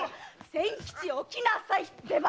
千吉起きなさいってば！